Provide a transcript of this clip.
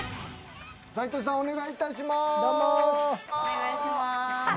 斉藤さん、お願いいたします。